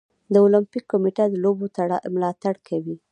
د المپیک کمیټه د لوبو ملاتړ کوي.